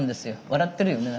笑ってるよね。